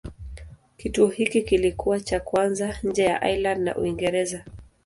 Kituo hiki kilikuwa cha kwanza nje ya Ireland na Uingereza.